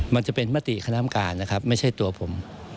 มันจะเป็นมติคณะกรรมการนะครับไม่ใช่ตัวผม